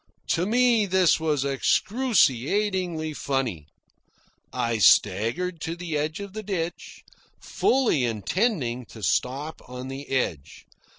To me this was excruciatingly funny. I staggered to the edge of the ditch, fully intending to stop on the edge.